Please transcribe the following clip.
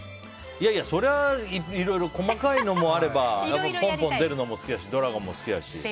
それはいろいろ細かいのもあればポンポン出るのも好きだしドラゴンも好きだし。